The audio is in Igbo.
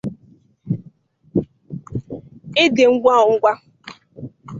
ịdị ngwangwa